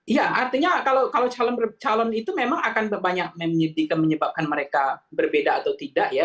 iya artinya kalau calon itu memang akan banyak menyebabkan mereka berbeda atau tidak ya